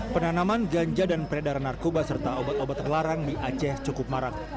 penanaman ganja dan peredaran narkoba serta obat obat terlarang di aceh cukup marak